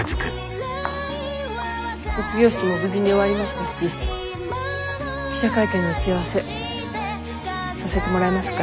卒業式も無事に終わりましたし記者会見の打ち合わせさせてもらえますか？